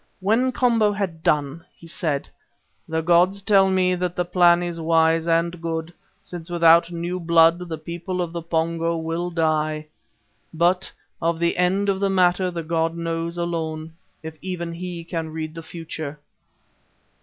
When Komba had done, he said: "The gods tell me that the plan is wise and good, since without new blood the people of the Pongo will die, but of the end of the matter the god knows alone, if even he can read the future."